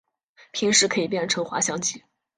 平时可以变成滑翔机。